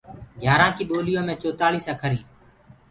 گھياٚرآن ڪي ٻوليو مي چوتآݪيٚس اکر هينٚ۔